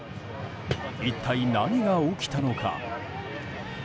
一体何が起きたのか。